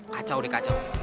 kacau deh kacau